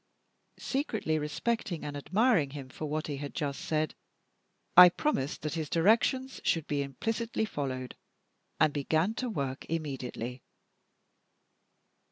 Secretly respecting and admiring him for what he had just said, I promised that his directions should be implicitly followed, and began to work immediately.